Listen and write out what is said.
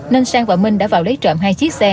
nên sang và minh đã vào lấy trộm hai chiếc xe